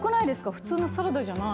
普通のサラダじゃない。